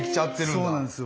そうなんですよ。